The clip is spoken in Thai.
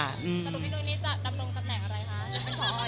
แล้วตรงที่นุ้ยนี้จะนำลงแสดงอะไรคะ